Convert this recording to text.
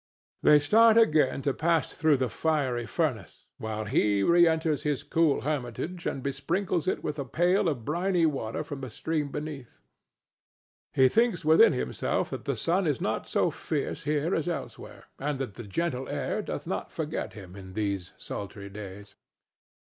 They start again to pass through the fiery furnace, while he re enters his cool hermitage and besprinkles it with a pail of briny water from the stream beneath. He thinks within himself that the sun is not so fierce here as elsewhere, and that the gentle air doth not forget him in these sultry days.